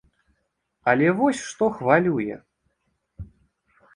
Але вось што хвалюе.